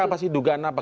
apa sih dugaan apa